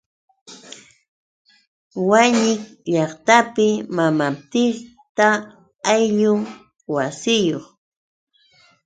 Wañik llaqtapi mamapiqta ayllun wasiyuq.